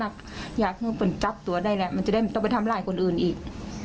หนักอยากเงินเป็นจับตัวได้แหละมันจะได้ต้องไปทำลายคนอื่นอีก